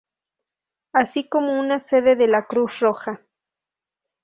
Así como una sede de la Cruz Roja.